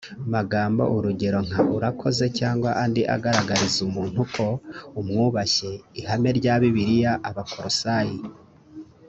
magambo urugero nka urakoze cyangwa andi agaragariza umuntu ko umwubashye ihame rya bibiliya abakolosayi